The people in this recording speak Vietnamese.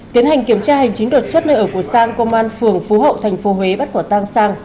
tiến hành kiểm tra hành chính đột xuất nơi ở của sang công an phường phú hậu tp huế bắt quả tang sang